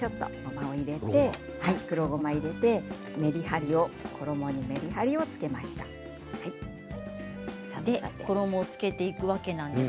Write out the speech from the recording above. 黒ごまを入れてメリハリを衣につけました。